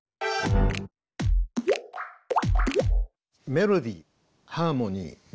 メロディーハーモニーリズム。